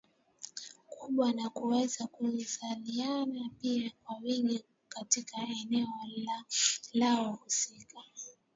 kubwa na kuweza kuzaliana pia kwa wingi katika eneo lao husika